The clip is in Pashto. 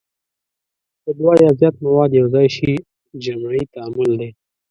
که دوه یا زیات مواد یو ځای شي جمعي تعامل دی.